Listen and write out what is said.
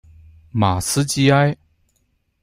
马斯基埃。